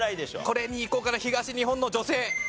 これにいこうかな東日本の女性。